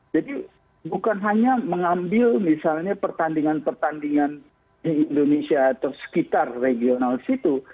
jadi bukan hanya mengambil misalnya pertandingan pertandingan di indonesia atau sekitar regional situ